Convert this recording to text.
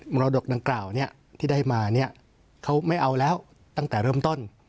มรดกดังกล่าวเนี่ยที่ได้มาเนี่ยเขาไม่เอาแล้วตั้งแต่เริ่มต้น